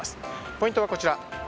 ポイントはこちら。